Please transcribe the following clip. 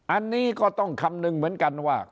อันนี้ก็ต้องคำนึงเหมือนกันว่า